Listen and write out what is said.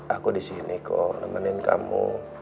aku disini kok nemenin kamu